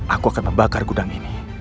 aku akan membakar gudang ini